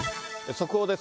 速報です。